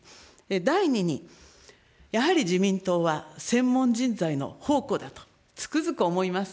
第２に、やはり自民党は専門人材の宝庫だとつくづく思います。